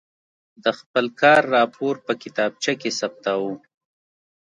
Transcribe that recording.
د خپل کار راپور په کتابچه کې ثبتاوه.